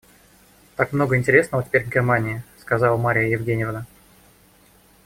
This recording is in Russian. Так много интересного теперь в Германии, — сказала Марья Евгеньевна.